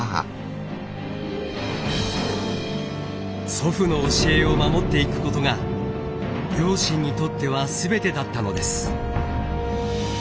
祖父の教えを守っていくことが両親にとっては全てだったのです。